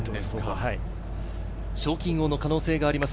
賞金王の可能性があります